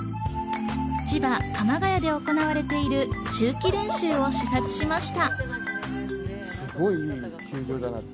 千葉・鎌ケ谷で行われている秋季練習を視察しました。